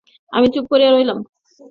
আমি চুপ করিয়া রহিলাম।